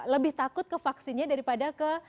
lebih takut ke vaksinnya daripada ke